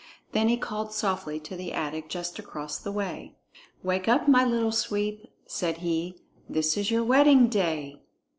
Then he called softly to the attic just across the way. "Wake up, my Little Sweep," said he; "this is your wedding day."